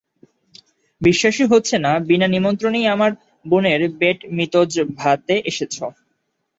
বিশ্বাসই হচ্ছে না বিনা নিমন্ত্রণেই আমার বোনের ব্যাট মিৎজভাতে এসেছো।